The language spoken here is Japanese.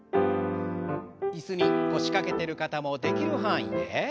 椅子に腰掛けてる方もできる範囲で。